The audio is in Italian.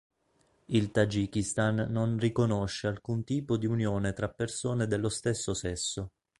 Il Tagikistan non riconosce alcun tipo di unione tra persone dello stesso sesso.